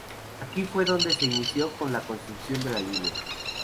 Aquí fue donde se inició con la construcción de la línea.